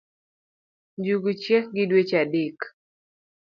njungu chiek gi dweche adek